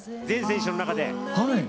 全選手の中で。